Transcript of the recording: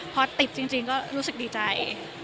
พอติดจริงก็รู้สึกดีใจ